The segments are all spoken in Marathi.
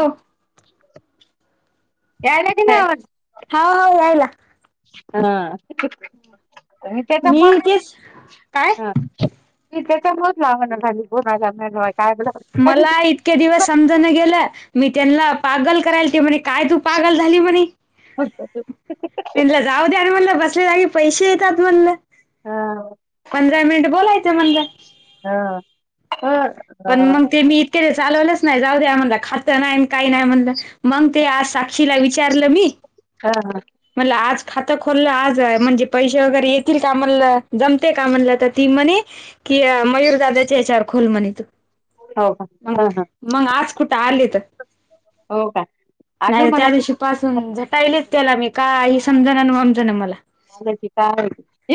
अं यायला की नाही आवाज? हो हो यायला. हा. तुम्ही त्याच्या कोण मी तेच काय? आहे? त्याच्यामुळे लावना झाली. बोलायला काय बोलाव? मला इतके दिवस समजण गेलं मी त्यांना पागल करायल ति म्हणे काय तू पागल झाली म्हणी होतात. त्यांनी म्हण बसले जागी पैसे येतात. म्हणलं पंधरा मिनट बोलायचं म्हणलं. अं हं. पण मग ते मी इतके दिवस चालवलंच नाही जाऊ द्या म्हणल खातं नाही काही नाही म्हणलं. मगं ते आज साक्षीला विचारलं मी? हा हा म्हणलं आज खातं खोलंल आज आहे म्हणजे पैसे वगैरे येतील का म्हणंल जमतंय का म्हणल तर ती म्हणे कि मयूर दादा्याच्या यांच्यावर खोल म्हणे तू हाव हाव मग मग आज कुठे आलीत हो का अगं नाही मला त्या दिवशी पासून झटालीयचं त्याला मी काही समजणां आणि वंमजंणा मला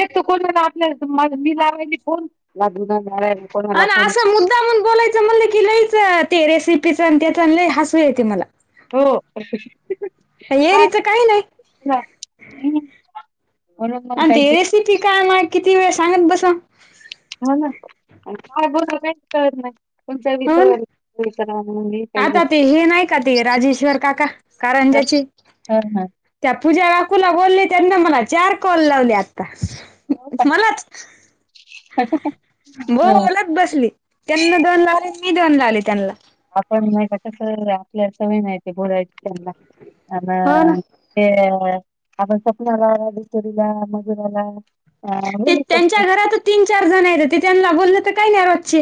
एकटं कोणं आपल्या मी लावायली फोन. कोणाला आणं फोन असं मुद्दामहून बोलायचं म्हटलं की लईचं ते रेसिपीच आणि त्याचा आणि लईचं हसू येते मला. हो काय येरीच काही नाही म्हणून मग आणि काय ते येरी किती कायमाग किती वेळ सांगत बसून हो ना काय बोल काही कळत नाही कोुमच्या हो विषयावर ना विचार म्ह आता ते हे नाही का, ते राजेश्वर काका कारंज्याचे? घेत हा त्या पूजा बाकूला बोलली त्यांना मला चार कॉल लावले आता हा मलाच ह बोलच बसली त्यांना दोन लावले मी दोन लावले त्यांना आपण माह काता सर आपल्या सवी माहिती बोलायची हो त्यांना ना ते आपण स्वपनाला सोरीला मजुराला अ ते त्यांच्या स्वप्न घरात तीन चार जण येत, ते त्यांना बोललं तर काय नाही रोजचे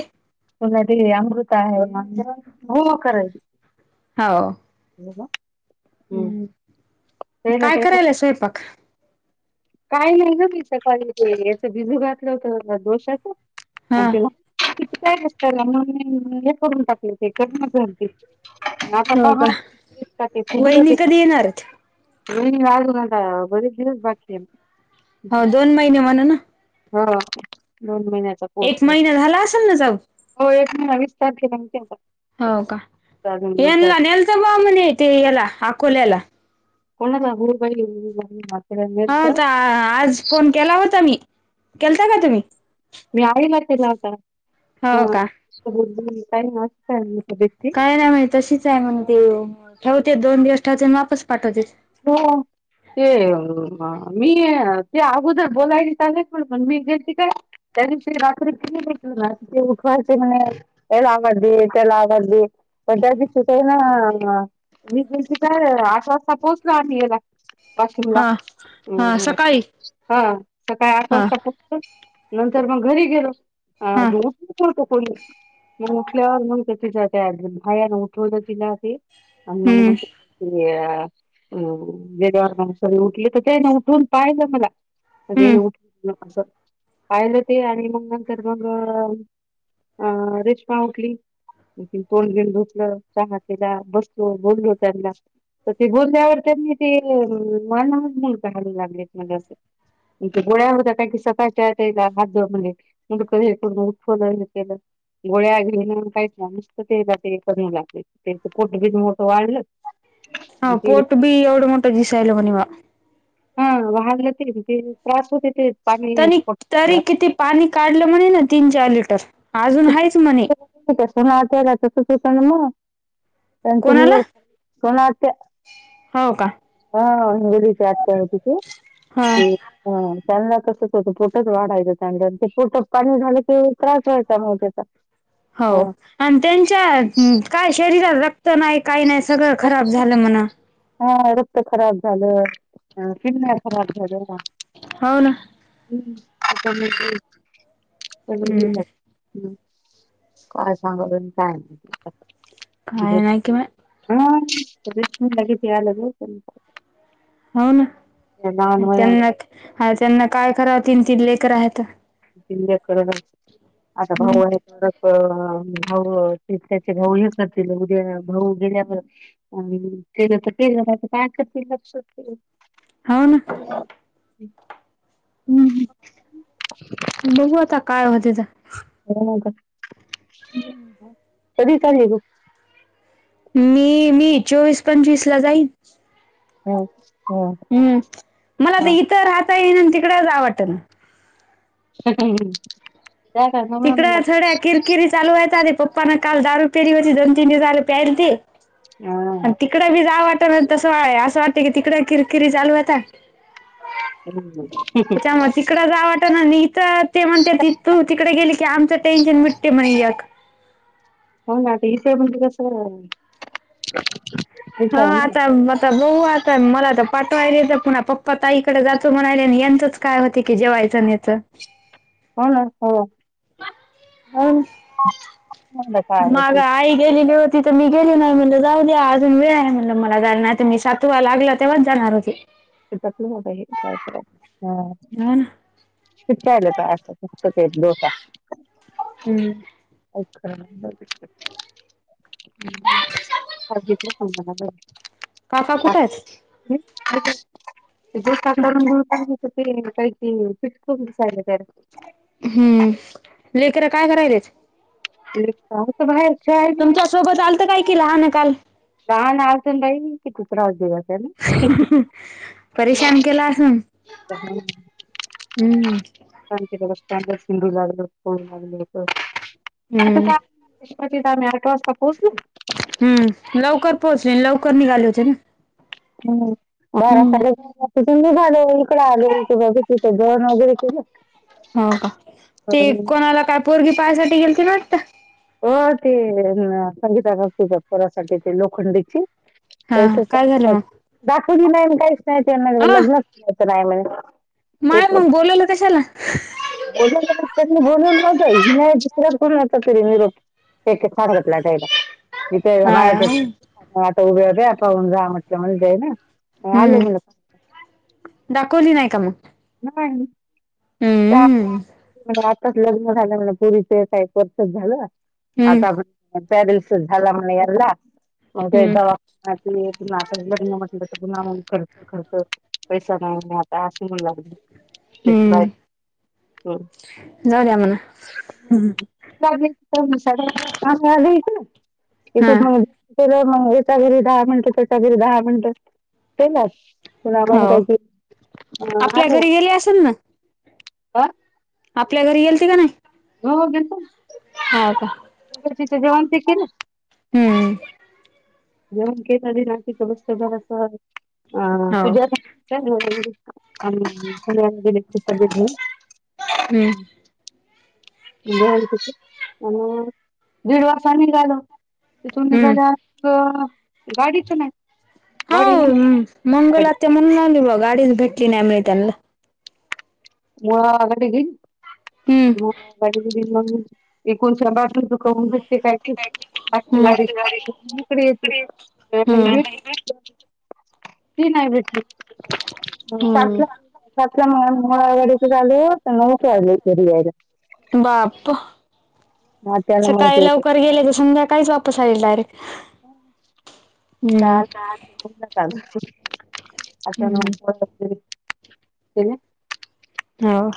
तुला अमृत आहे म्हण हो म करायची हाव. ब का ् काय करायला स्वयंपाक. काय नाही ना मी सकाळी ते याच बिजू घातलं होत दोषाच अ हा. तला किती काय कसतयला म हे करून टाकले ते कर [unintelligible] म हो का वहिनी कधी येणार आहेत? आ घट बरी बाकी हो, दोन महिने म्हणून. हो दोन महिन्याचा कोर्स एक आहे महिना झाला असेल ना जाऊ हो एक महि विस्तार केला मचा हो का. यांना नेल्थ बा म्हणे ते याला अकोल्याला. कोणादा गरबाई हां तर आज फोन केला होता. मी केलता का तुम्ही? मी आईला त्याला हो का होताुधी कात काय नाही म्हणे तशीच आहे मण ते ठेवते. दोन दिवस ठेवते आणि वापस पाठवते. हो ते मी ते अगोदर बोलायला चाले प पण मी गेती काय? त्या दिवशी रात्री किती बटल ना ते उठवायचे म.. एलामली त्याला आमली प त्या सुट आहे ना. मी तु काय आश वाजता पोहोचलो आ याला वाशीमला हा हा सकाळी हां सकाळी आठ हा. वाजता नंतर मग घरी गेलो. हा. त कोणी उठल्यावर म्हण तिच्या त्या भायान उठवलं. तिला ते आम हम्म ममया.. हो जवारसरी उठली तर ते ना उठून पाहिलं मला हम्म उ असं पाहिलं ते आणि मग नंतर मग... अ रेश्मा उठली. तोंड घेऊन धुसल हातेला बसलो बोललो त्यांना तर ते बोल त्यावर त्यांनी ते मला मूल पाहायला लागले म असे. े गोळ्या होता का की सकाळच्याला हात जोर म्हणजे. म्हज कधी हे कर उत्फलन हे केलं. गोळ्या घेऊन काहीच नुस्त ते ते करू लाग ते ते पोट बी मोट वाढलं हा ते पोट बी एवढं मोठं दिसहिल म्हण वा हा वागलं ते ते त्रास होते. ते पाणी त्यांनी प तरी किती पाणी काढलं म्हणे ना तीन, चार लिटर अजून हायच म्हणे ष ना ते राज चषतण म त्यांची कोणाला निवड सोनात्या हो का हा हिंगोलीचे आत्या होती हा ते ह त्यानल तसंच होतं पोटच वाढायचं चांद ते पोटात पाणी झालं कि त्रास व्हायचं समवश्या चा हो आणि त्यांच्या काय? शरीराात.. नाही काही नाही सगळं खराब झालं म्हणा हा रक्त खराब झालं किडन्या खराब झाल्या. हो ना हम्म ह् ह् काय सांगून काय काय नाही कि म हस लागीगे. हो ना त्यांना हा त्यांना काय करावती ती लेकर आहेत. वि्य करण आता भाऊ आहे. अ भाऊ ते त्याचे भाऊ हे करतील उद्या भाऊ गेल्यावर अ ते तर काय लक्ष हाव ना. [unintelligible] हम् बघू आता काय होतेत? येणार का कधी चलली तू? मी मी चोवीस, पंचवीस ला जाईन. हम्म. हम् मला तर इथं राहता येईना आण तिकडं जावं वाटना. [unintelligible] मम्मी तिकडं थोड्या किरकिरी चालू आहेत आधी पप्पाना काल दारू पेली होती दोन, तीन दिवस झाल प्यालती हा. तिकड बी जा वाटना तसं व्हायल आसं वाटतं की तिकड किरकिरी चालू आता हम्म [unintelligible] तिकड जा वाटना आणि इथं ते म्हणते ति तू तिकड गेली की आमचं टेन्शन मिटते म्हणे एक. हो ना आता इथे म्हणजे कसं हेच हो आहे ना आता ब आता बघू आता मला तर पाठवायले तर पुन्हा पप्पा ताईकडे जातो म्हणाले आणि यांचंच काय होते की जेवायचं न्हा चं हो ना हो. हाव हो ना, ना काय माग ते आई गेलेली होती तिथं मी गेली नाही म्हणलं जाऊ द्या आजून वेळ आहे म्हणलं मला जायला नाही तर मी सातवा लागला तेव्हाच जाणार होती. शेतातला बघा हे काय [unintelligible] हा हो ना. शिकाय यालयतां [unintelligible] डोसा हम्म काय खरं नाही बाई [unintelligible] समजना बाई काका कुठं आहेत? ह् आहेत आहेत. ते डोसा करून [unintelligible] ते काय की चिटकून बसायल जरा हम्म लेकर काय करायलेत? लेकरं आहेत बाहेर खेळालेत. तुमच्या सोबत आलत काय की लहान काल? लहान आलत न बाई किती त्रास दिवस आहे नी [unintelligible] गेला आसन [unintelligible] पाण्याची व्यवस्था [unintelligible] हम्म तीत चा कदाचित आम्ही आठ वाजता पोहोचलो. हम् लवकर पोहोचले लवकर निघाले होते ना? हम्म बारा हम्म साडेबारा [unintelligible] कमी झालं इकड आलो त बघू तिथं जेवण वगैरे केलं हाव का ते अं, कोणाला काय पोरगी पाहायसाठी गेलती ना आता? हो ते संगीता काकूच्या पोरासाठी ते लोखंडेची. हा काय झालं [unintelligible] मग दाखवली नाही आणि काहीच नाही त्यांना अ लग्नच [unintelligible] नाही म्हणे. माय म बोलवलं कशाला? बोलवल नाही त्यांनी बोलवल नव्हतं हिन [unintelligible] कुणाचं तरी निरोप एक एक सांगितला द्यायला हित हा बायोडे हम्म पाटव बघ पळून जा म्हटल्य म्हणून देईना. हम्म दाखवली नाही का मगं? नाही. त्या [unintelligible] आताच लग्न झालं म्हण पोरीच एका एक वर्षात झालं हम्म आता आपण पॅरलस झाछला मणीेला म्ह हम्म दवा. ते त लग् म्हटलं तर पुहा कर. खर्च पैसा नाही आता अस म्हण लागले. हम्म. ह. जाऊ द्या म्हणा एकठ. हा [inaudible] केलं मग एका घरी दहा मिनिटं त्याच्या घरी दहा मिनिटं तेलाच. त का अ हॅलो. केले असन ना. बर. आपल्या घरी येल ते का नाही. हो हो गेलतो. हो का. तिचे जेवान ते के ना. हम्म. जेवण के दि नाची स अस अ हो पूजाच. सगळे घ [inaudible] त हम्म अ दीड वर्ष निघालो. तिथून हम्म निघाल्या गाडीच नाही. गाडी नाही हो मंगल गाडी आत्या म्हणून आवली बा गाडीच भेटली नाही मि त्यांना. म आग दि [unintelligible] हम्म. होग एकूणच्या बाजू चुक [unintelligible] काय आजची हम्म गडीक येते. नाही हम्म बाई. ती नाही भेटली सात हम्म सात म. मुळवाडीच झाल [unintelligible] बाप मग त्याला सकाळी माहिती लवकर गेले तर संध्या काहीच बाप. तप सईलाक. लल अ [inaudible] ह हम्म ना. होव.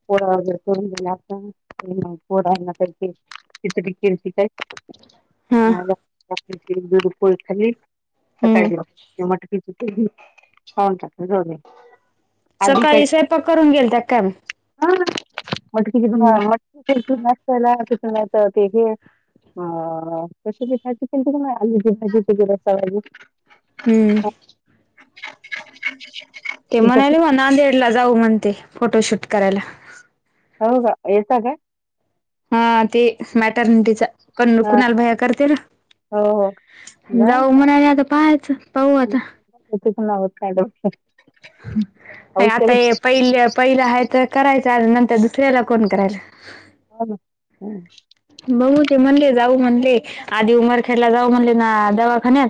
पोडा वगैर पोड कर चितडी [inaudible] क श हा काय रुप खाली सकाळी [inaudible] हम्म मटत खाऊन टाकलं जाऊ दे. आधी काय सकाळी स्वयंपाक करून गेल त्या काय मग. हा मटकी विजू हम्म मटकी केलती नाश्त्याला त्याचं नाही तर हे. अ कशी भाजि आलूची भाजी तझ रसा भाजी. हम्म. [inaudible] ते म्हणाले मग नांदेड ला जाऊ म्हणते फोटोशूट करायला. हो का येता काय. हा ते मॅटर्निटीचा प हा कुणाला भया करतील ना. हो हो. जा जाऊ म्हणाले आता पाहायचं पाहू आता. यु्हा गोत्तय [unintelligible] हाय आता हे पहिल्या. पहिला ह तर करायचं नंतर दुसऱ्याला कोण करायला. हा ना हम. बघू ते म्हणले जाऊ म्हणले आधी उमरखेडला जाऊ म्हणले ना दवाखान्यात.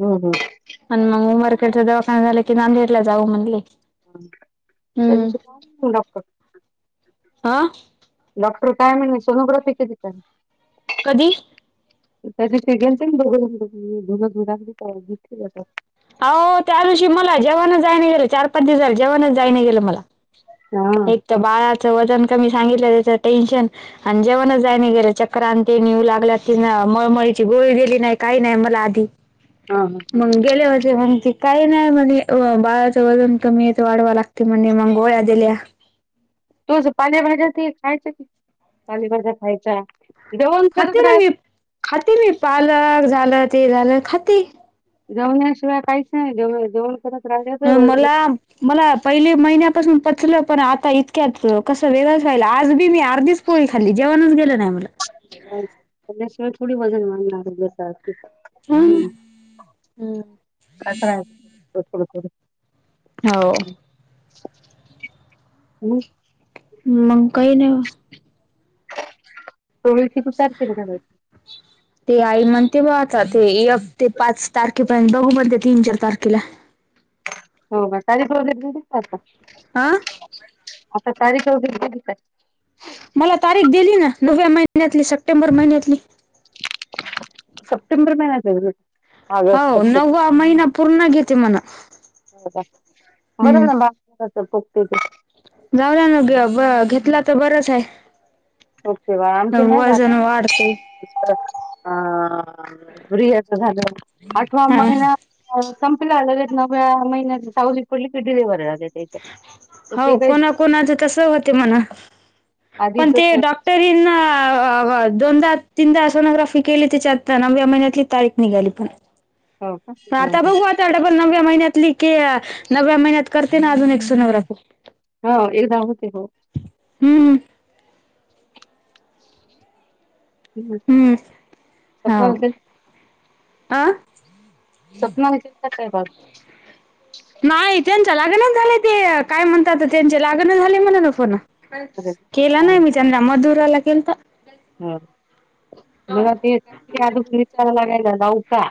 हम् हम् पण मग उमारकेडच दवाखान झालं की नांदेडला जाऊ म्हणली ह त्यांच डॉक्टर आह डॉ काय म्हण सोनोग्राफी केली का. कधी त्याच्या सगनस बघुनु अह त्या दिवशी मला जेवणच जाय नाही गेलं चार पाच दिवसले जेवणच जाय नाही गेलं मला. हा एक तर बाळाचं वजन कमी सांगितलं त्याच टेन्शन. आणि जेवणच जायने गेलं चक्रांती निऊ लागल्या ति मळमळीची गोळी गेली नाही काही नाही मला आधी ह हा ह मग गेले म्हणजे म्हगती काही नाही म्हणे बाळाचं वजन कमी येतं वाढवा लागत. त तेम मंगोळ्या दिल्या. तो पाण्याभाज्या त खायच्या की पालेभाज्या खायचा? खाते ना मी खाते मी पालक झालं ते झालं खाते. जवण्याशिवाय काहीच नाही जव ज. अ मला मला पहिले महिन्यापासून पचलं पण आता इतक्यात कसं वेगळंच व्हायला आज बी मी अर्धीच? पोळी खाली जेणच गेल नाही मुलं. सिवाय ोडी वजन वाढ लागसा ो हो ना हो हम् मग काही नाही. तोळीशी तू सारते नाची. ते आई म्हणते ब आता ते ते पाच तारखे! कि पहि बघू मण त्या तीन चार तारखेला. हो कारी प्रता. आह आता तारीख व का? मला तारीख दिली ना नोव्हे महिन्यातली सप्टेंबर महिन्यातली. सप्टेंबर महिनत! आगस् हो नववा महिना पूर्ण घेते म्हणा सप्टेबर बरं हम्म ना बा. पोक्ते त जाऊला न घेतला तर बरच आहे. पोगते बाळ आमचे नाही का वजन वाढत. अ बियाच झालं आठवा हा महिना. संपल्या नव्या महिन्यात सावली पडली क डलेिवररलाग! ते आहे तर ते काही. त हो म पण आधीच हो डॉटरी. अ हो दोनदा तीनदा सोनोग्राफी केली त्याच्या आत्ता नव्या महिन्यातली तारीख निघाली पण! का आता बघू आता डबल नवव्या महिन्यातली क नव्या महिन्यात करत. अजून एकशे नवरा फु हो एकदा होते हो! हम्म ह स्प्न अं स्पना घ का काय बाघ नाही त्यांच्या लागनच झाले ते काय म्हणतात त्यांची लागणच झाली मला न फोन केला नाही मी त्यांंद्र मधुराला केल तर. ह मला तेून विचारयलागेयला जाऊका.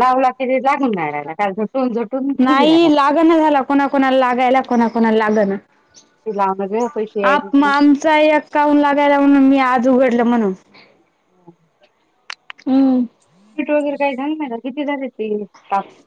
लावला कि ते जागून नाही राहियला का झटून झटून ठ राहिला. कोणा कोणा लाग ना. लामग पष मग आमचा एक काउन लागायला म्हणून मी आज उघडलं म्हणून. हो हम् गैरे काही झा नाही किती झाले ते तप.